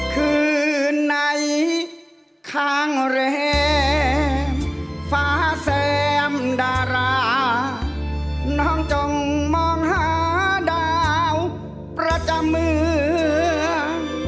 คืนไหนข้างแรงฟ้าแซมดาราน้องจงมองหาดาวประจำเมือง